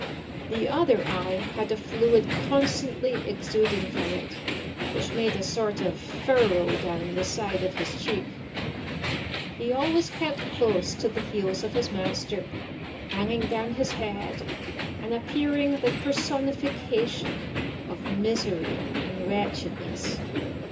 The other eye had a fluid constantly exuding from it, which made a sort of furrow down the side of his cheek. He always kept close to the heels of his master, hanging down his head, and appearing the personification of misery and wretchedness.